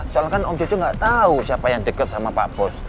soalnya kan om jojo gak tau siapa yang dekat sama pak bos